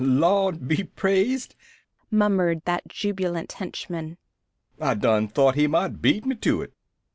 "Lawd be praised!" murmured that jubilant henchman. "I done thought he might beat me to it!"